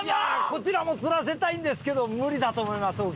こちらも釣らせたいんですけど無理だと思います沖は。